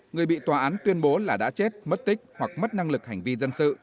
người bị tòa án tuyên bố là đã chết mất tích hoặc mất năng lực hành vi dân sự